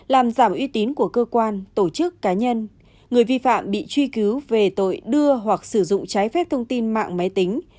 làm giảm uy tín của cơ quan tổ chức cá nhân người vi phạm bị truy cứu về tội đưa hoặc sử dụng trái phép thông tin mạng máy tính